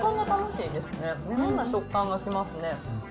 いろんな食感がきますね。